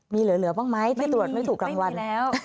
มีเหลือบ้างไหมที่ตรวจไม่ถูกรางวัลแล้ว